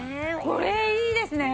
これいいですね！